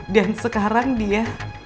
dan sekarang dia